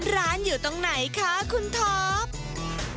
ร้านอยู่ตรงไหนคะคุณท็อป